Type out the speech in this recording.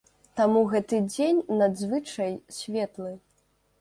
Таму гэты дзень надзвычай светлы.